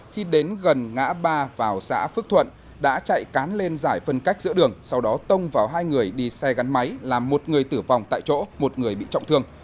khi đến gần ngã ba vào xã phước thuận đã chạy cán lên giải phân cách giữa đường sau đó tông vào hai người đi xe gắn máy làm một người tử vong tại chỗ một người bị trọng thương